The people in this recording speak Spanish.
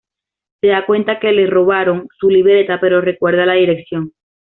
Se da cuenta que le robaron su libreta pero recuerda la dirección.